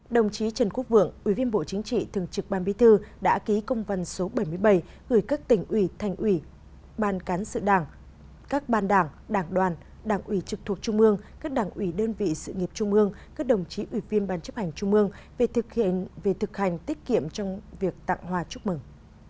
đồng chí trần quốc vượng ủy viên bộ chính trị thường trực ban bí thư đã ký công văn số bảy mươi bảy gửi các tỉnh ủy thành ủy ban cán sự đảng các ban đảng đảng đoàn đảng ủy trực thuộc trung ương các đảng ủy đơn vị sự nghiệp trung ương các đồng chí ủy viên ban chấp hành trung mương về thực hành tiết kiệm trong việc tặng hoa chúc mừng